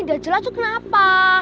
udah jelas tuh kenapa